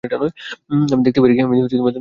আমি দেখতে পারি?